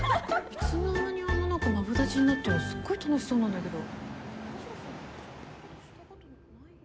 いつの間にあんな何かマブダチになってんのすっごい楽しそうなんだけど。